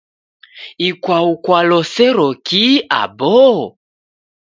Ikwau kwalosero kihi aboo?